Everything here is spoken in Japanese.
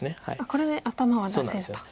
これで頭は出せると。